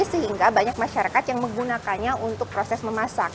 sehingga banyak masyarakat yang menggunakannya untuk proses memasak